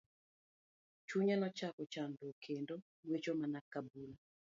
Chunye nochako chandore kendo gwecho mana ka bul.